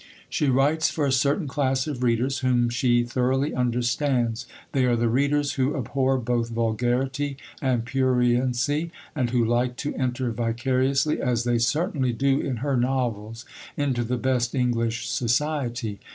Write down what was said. She writes for a certain class of readers whom she thoroughly understands: they are the readers who abhor both vulgarity and pruriency, and who like to enter vicariously, as they certainly do in her novels, into the best English society.